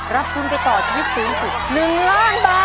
รับทุนไปต่อชีวิตสูงสุด๑ล้านบาท